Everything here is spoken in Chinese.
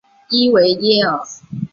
伊维耶尔。